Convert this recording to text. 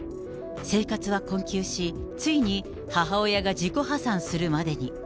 生活は困窮し、ついに母親が自己破産するまでに。